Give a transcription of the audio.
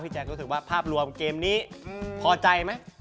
พี่แจ๊กรู้สึกว่าภาพรวมเกมนี้พอใจมั้ย